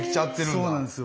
そうなんですよ。